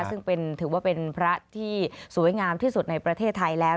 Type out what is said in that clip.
ซึ่งถือว่าเป็นพระที่สวยงามที่สุดในประเทศไทยแล้ว